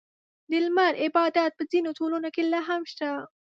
• د لمر عبادت په ځینو ټولنو کې لا هم شته.